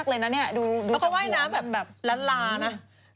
เขาต้องเว้นน้ำแบบลานะ